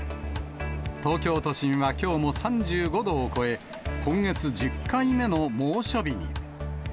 東京都心はきょうも３５度を超え、今月１０回目の猛暑日に。